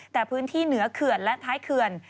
แต่พื้นที่เหนือเขื่อนและท้ายเขื่อน